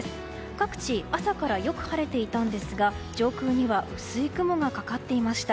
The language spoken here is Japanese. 各地、朝からよく晴れていたんですが上空には薄い雲がかかっていました。